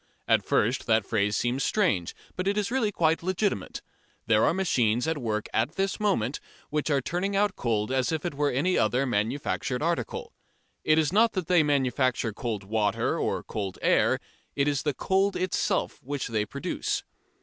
At first that phrase seems strange, but it is really quite legitimate. There are machines at work at this moment which are turning out cold as if it were any other manufactured article. It is not that they manufacture cold water or cold air, it is the cold itself which they produce.